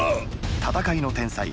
戦いの天才・燐。